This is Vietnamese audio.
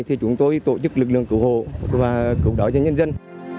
thì chúng tôi tổ chức lực lượng cứu hộ và cứu đói cho nhân dân